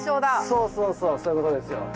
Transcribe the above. そうそうそうそういうことですよ。